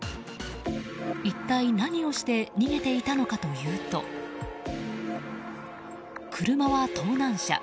一体何をして逃げていたのかというと車は盗難車。